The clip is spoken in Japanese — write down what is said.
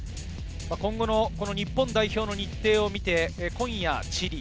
今後の日本代表の日程を見て、今夜チリ。